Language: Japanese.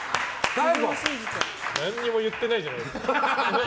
何も言ってないじゃないですか。